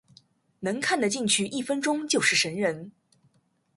能看的进去一分钟就是神人